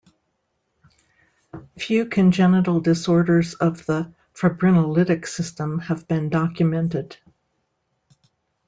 Few congenital disorders of the fibrinolytic system have been documented.